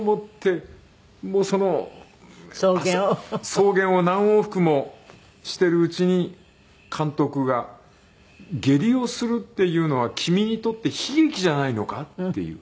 草原を何往復もしているうちに監督が「下痢をするっていうのは君にとって悲劇じゃないのか？」っていう。